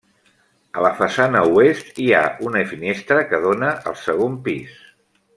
A la façana oest, hi ha una finestra que dóna al segon pis.